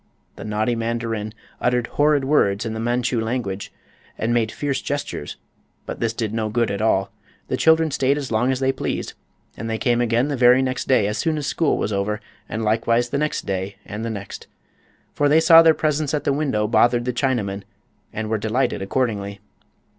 The naughty mandarin uttered horrid words in the Manchu language and made fierce gestures; but this did no good at all. The children stayed as long as they pleased, and they came again the very next day as soon as school was over, and likewise the next day, and the next. For they saw their presence at the window bothered the Chinaman and were delighted accordingly.